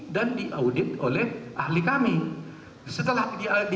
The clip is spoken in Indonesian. dan diaudit oleh ahli kami